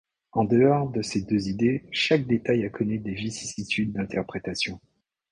En dehors de ces deux idées, chaque détail a connu des vicissitudes d'interprétations.